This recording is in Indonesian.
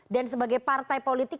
dan sebagai partai politik